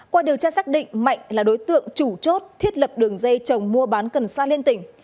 qua điều tra xác định mạnh là đối tượng chủ chốt thiết lập đường dây chồng mua bán cần sa liên tỉnh